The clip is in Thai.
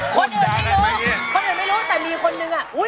คนอื่นไม่รู้แต่มีคนหนึ่งอ่ะ